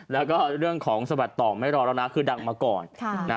แล้วก็เรื่องของสวัสดิ์ต่อไม่รอแล้วนะคือดังมาก่อน